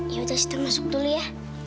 ya udah sita masuk dulu ya